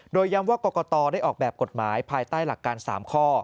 โดยย้ำว่ากรกตได้ออกแบบกฎหมายภายใต้หลักการ๓ข้อ